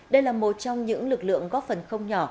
đây là một trong những lực lượng góp phần không nhỏ